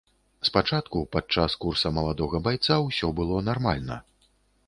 Спачатку, падчас курса маладога байца, усё было нармальна.